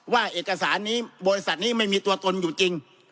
ว่าเอกสารนี้บริษัทนี้ไม่มีตัวตนอยู่จริง